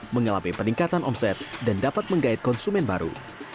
mengalami peningkatan omset dan dapat menggait konsumen baru